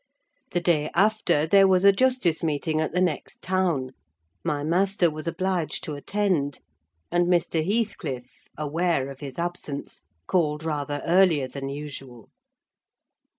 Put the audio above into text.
The day after, there was a justice meeting at the next town; my master was obliged to attend; and Mr. Heathcliff, aware of his absence, called rather earlier than usual.